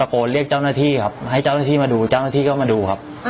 โกนเรียกเจ้าหน้าที่ครับให้เจ้าหน้าที่มาดูเจ้าหน้าที่ก็มาดูครับ